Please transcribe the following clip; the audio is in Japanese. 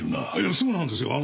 そうなんですよ。